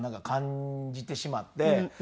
感じてしまって。